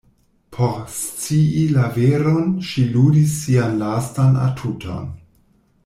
Por scii la veron, ŝi ludis sian lastan atuton.